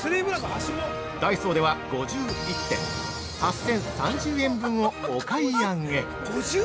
ダイソーでは５１点８０３０円分をお買い上げ。